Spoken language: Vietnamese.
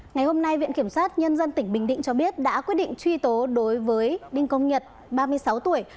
ngày hôm nay viện kiểm sát nhân dân tỉnh bình định cho biết đã quyết định truy tố đối với đinh công nhật ba mươi sáu tuổi